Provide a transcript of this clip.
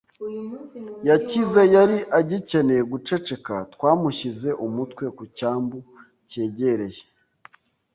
yakize yari agikeneye guceceka. Twamushyize umutwe ku cyambu cyegereye